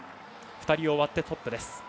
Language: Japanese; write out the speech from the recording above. ２人終わってトップです。